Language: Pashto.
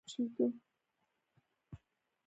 انار د افغانانو د معیشت یوه پخوانۍ او طبیعي سرچینه ده.